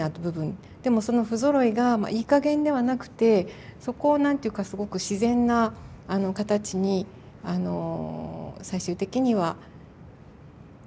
でもその不ぞろいがいいかげんではなくてそこを何て言うかすごく自然な形に最終的には合わせていく。